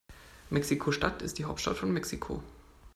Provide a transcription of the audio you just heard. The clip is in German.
Mexiko-Stadt ist die Hauptstadt von Mexiko.